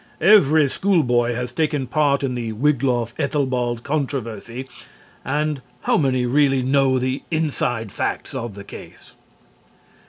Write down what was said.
Every schoolboy has taken part in the Wiglaf Aethelbald controversy, but how many really know the inside facts of the case?